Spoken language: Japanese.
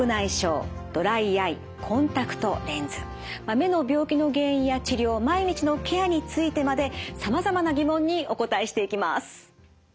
目の病気の原因や治療毎日のケアについてまでさまざまな疑問にお答えしていきます。